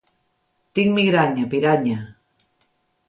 Tinc migranya, piranya.